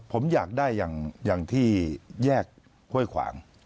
ผมอยากได้อย่างที่แยกห้วยขวาง